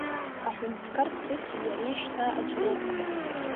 Аҳәынҭқарԥҳәыси иареи шьҭа аӡә роуп.